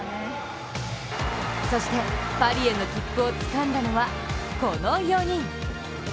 そしてパリへの切符をつかんだのはこの４人。